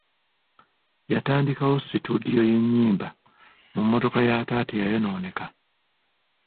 Yatandikawo situdiyo y'ennyimba mu mmotoka ya taata eyayonooneka.